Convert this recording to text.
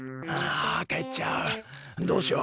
あかえっちゃう。